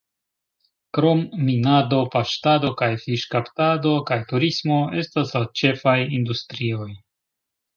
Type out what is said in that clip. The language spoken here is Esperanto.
Krom minado, paŝtado kaj fiŝkaptado kaj turismo estas la ĉefaj industrioj.